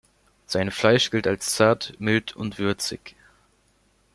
Sein Fleisch gilt als zart, mild und würzig.